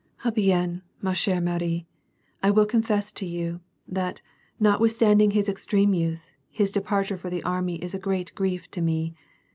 Eh hien, ma ch^re Marie, I will confess to you, that, notwith stai^ing his extreme youth, his departure for the army is a great grief to me.